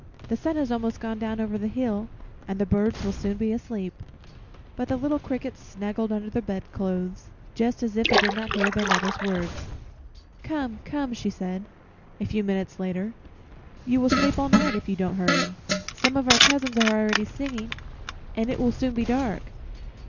The sun has almost gone down over the hill and the birds will soon be asleep." But the little crickets snuggled under the bedclothes just as if they did not hear their mother's words. "Come, come," she said, a few minutes later, "you will sleep all night if you don't hurry. Some of our cousins are already singing, and it will soon be dark."